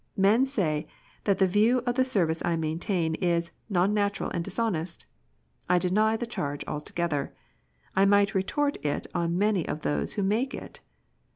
Men say that the view of the Service I maintain is " non natural and dishonest." I deny the charge altogether. I might retort it on many of those who make it.